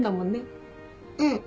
うん。